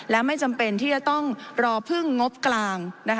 และไม่จำเป็นที่จะต้องรอพึ่งงบกลาง